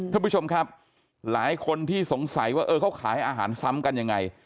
ท่านผู้ชมครับหลายคนที่สงสัยว่าเออเขาขายอาหารซ้ำกันยังไง